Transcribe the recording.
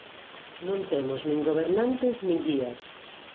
Non temos nin gobernantes nin guías.